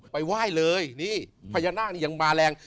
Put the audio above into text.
ไปไหว้เลยนี่พญานาคนี่ยังมาแรง